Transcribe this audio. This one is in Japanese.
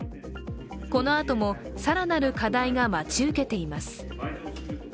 このあとも、更なる課題が待ち受けています。